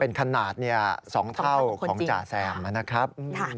เป็นขนาด๒เท่าของจ่าแซมนะครับ